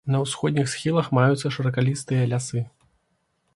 На ўсходніх схілах маюцца шыракалістыя лясы.